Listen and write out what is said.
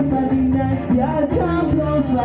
หยุดมีท่าหยุดมีท่า